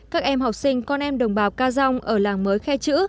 các em học sinh con em đồng bào ca giong ở làng mới khe chữ